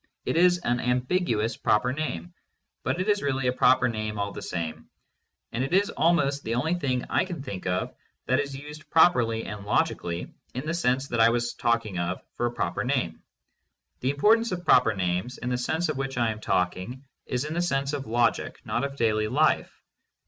It is an ambiguous proper name, but it is really a proper name all the same, and it is almost the only thing I can think of that is used properly and logically in the sense that I was talking of for a proper name. The importance of proper names, in the sense of which I am talking, is in the sense of logic, not of daily life.